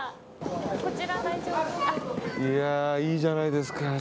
いいじゃないですか。